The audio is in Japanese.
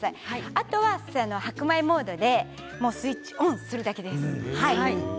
あとは白米モードでスイッチオンするだけです。